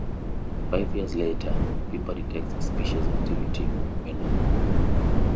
Five years later, Pepper detects suspicious activity on Venom.